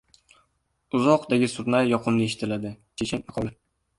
Uzoqdagi surnay yoqimli eshitiladi. Chechen maqoli